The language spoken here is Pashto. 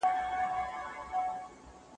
چي مي ستونی په دعا وو ستړی کړی